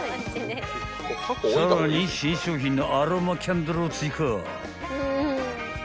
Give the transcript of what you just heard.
［さらに新商品のアロマキャンドルを追加］